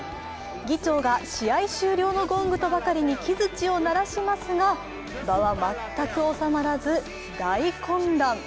議長が試合終了のゴングとばかりに木づちを鳴らしますが場は全くおさまらず大混乱。